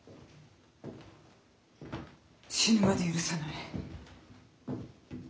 死ぬまで許さない。